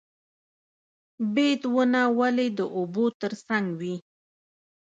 بید ونه ولې د اوبو تر څنګ وي؟